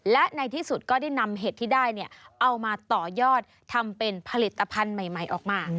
และในที่สุดก็ได้นำเห็ดที่ได้เอามาต่อยอดทำเป็นผลิตภัณฑ์ใหม่ออกมา